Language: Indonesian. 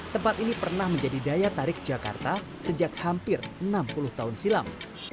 tempat ini pernah menjadi daya tarik jakarta sejak hampir enam puluh tahun silam